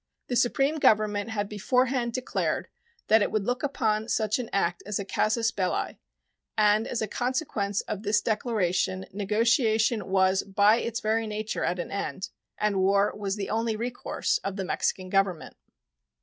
The supreme Government had beforehand declared that it would look upon such an act as a casus belli, and as a consequence of this declaration negotiation was by its very nature at an end, and war was the only recourse of the Mexican Government.